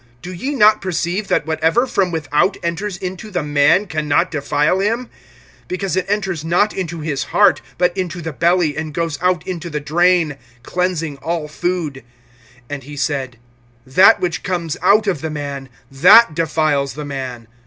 Do ye not perceive, that whatever from without enters into the man can not defile him? (19)Because it enters not into his heart, but into the belly, and goes out into the drain, cleansing all food. (20)And he said: That which comes out of the man, that defiles the man.